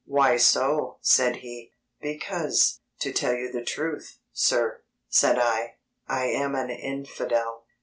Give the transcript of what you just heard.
"Why so?" said he. "Because, to tell you the truth, sir," said I, "I am an infidel!"